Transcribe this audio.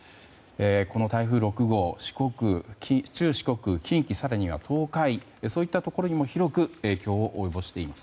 この台風６号、中四国近畿、更には東海そういったところにも広く影響を及ぼしています。